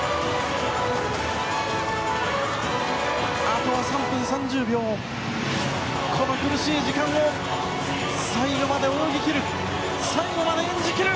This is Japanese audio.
あとは３分３０秒この苦しい時間を最後まで泳ぎ切る最後まで演じ切る！